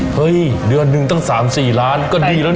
เฮ้ยเดือนหนึ่งตั้ง๓๔ล้านก็ดีแล้วนะ